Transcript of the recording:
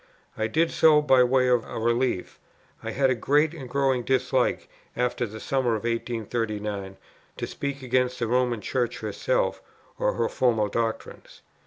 I did so by way of a relief. I had a great and growing dislike, after the summer of 1839, to speak against the Roman Church herself or her formal doctrines.